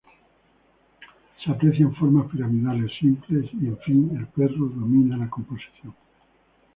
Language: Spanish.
Se aprecian formas piramidales simples y, en fin, el perro domina la composición.